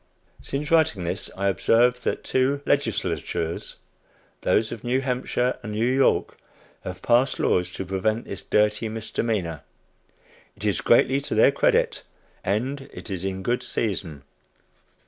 Since writing this I observe that two legislatures those of New Hampshire and New York have passed laws to prevent this dirty misdemeanor. It is greatly to their credit, and it is in good season.